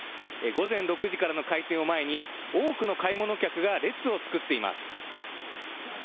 午前６時からの開店を前に、多くの買い物客が列を作っています。